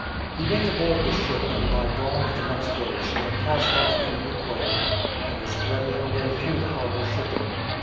He went aboard the ship and by dawn of the next day she had cast off from the quay and was threading her way through the harbour shipping.